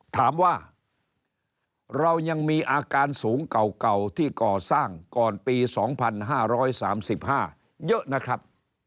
ถามว่าเรายังมีอาการสูงเก่าที่ก่อสร้างก่อนปี๒๕๓๕เยอะนะครับ